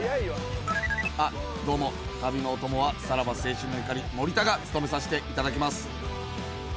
あっ、どうも、旅のお供はさらば青春の光・森田が務めさせていただきます。